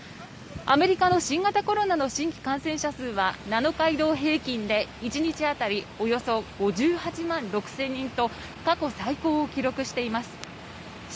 アメリカの新型コロナの新規感染者数は７日間移動平均で１日当たり５８万６３９１人と過去最高を記録しています。